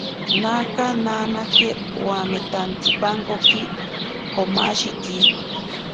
Naka nanake wametantsipankoki komashiki.